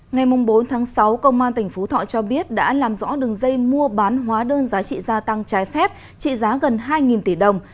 ngày bốn sáu công an tỉnh phú thọ cho biết đã làm rõ đường dây mua bán hóa đơn giá trị gia tăng trái phép trị giá gần hai tỷ đồng